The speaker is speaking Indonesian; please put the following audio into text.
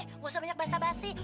nggak usah banyak bahasa bahasi